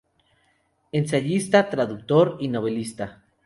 Ensayista, traductor y novelista.